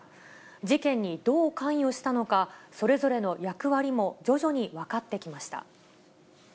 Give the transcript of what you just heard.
事件にどう関与したのか、それぞれの役割も徐々に分かってきました。